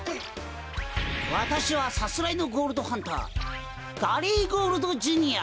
わたしはさすらいのゴールドハンターガリー・ゴールド・ジュニア！